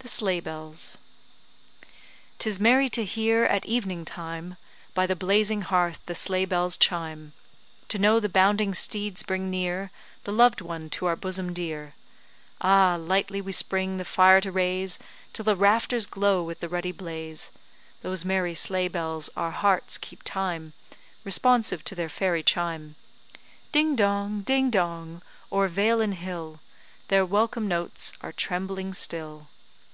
THE SLEIGH BELLS 'Tis merry to hear, at evening time, By the blazing hearth the sleigh bells chime; To know the bounding steeds bring near The loved one to our bosom dear. Ah, lightly we spring the fire to raise, Till the rafters glow with the ruddy blaze; Those merry sleigh bells, our hearts keep time Responsive to their fairy chime. Ding dong, ding dong, o'er vale and hill, Their welcome notes are trembling still.